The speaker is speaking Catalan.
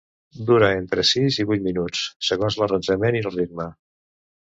Dura entre sis i vuit minuts, segons l'arranjament i el ritme.